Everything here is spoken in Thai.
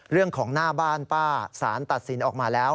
เรื่องของหน้าบ้านป้าสารตัดสินออกมาแล้ว